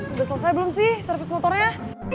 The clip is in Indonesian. udah selesai belum sih servis motornya